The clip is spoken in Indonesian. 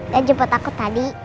dan jemput aku tadi